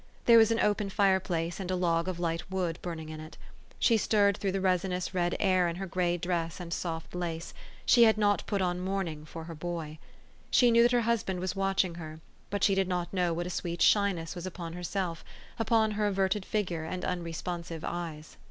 There was an open fire place, and a log of light wood burning in it. She stirred through the resinous, red air, in her gray dress and soft lace : she had not put on mourning for her boy. She knew that her husband was watching her ; but she did not know what a sweet shyness was upon herself, upon her averted figure and unresponsive eyes.